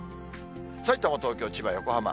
さいたま、東京、千葉、横浜。